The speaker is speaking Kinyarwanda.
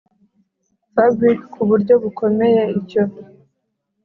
fabric kuburyo bukomeye icyo